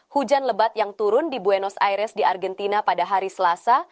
hujan lebat yang turun di buenos aires di argentina pada hari selasa